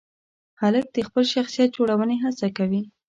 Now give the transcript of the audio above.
هلک د خپل شخصیت جوړونې هڅه کوي.